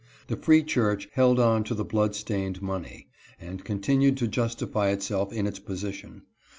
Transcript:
The Free Church held on to the blood stained money, and continued to justify itself in its position.